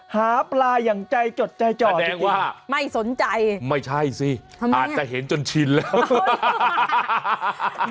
หาปลาอย่างใจจดใจจ่อเรียกว่าไม่สนใจไม่ใช่สิอาจจะเห็นจนชินแล้ว